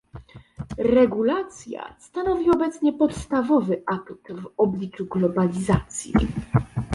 Regulacja stanowi obecnie podstawowy atut w obliczu globalizacji